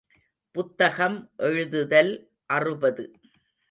புத்தகம் எழுதுதல் அறுபது.